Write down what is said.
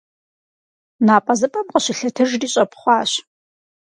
НапӀэзыпӀэм къыщылъэтыжри, щӀэпхъуащ.